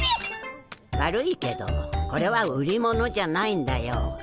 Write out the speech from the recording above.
悪いけどこれは売り物じゃないんだよ。